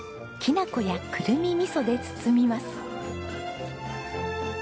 きなこやクルミみそで包みます。